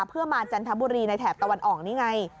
เพื่อมาจันทบุรีในแถบตะวันออกนี่ไง